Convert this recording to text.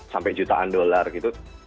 sampai jutaan dollar gitu